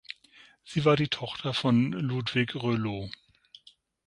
Sie war die Tochter von Ludwig Reuleaux.